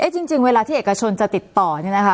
จริงเวลาที่เอกชนจะติดต่อเนี่ยนะคะ